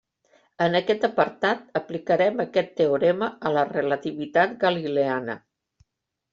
En aquest apartat, aplicarem aquest teorema a la Relativitat Galileana.